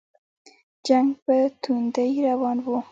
جنګ په توندۍ روان وو.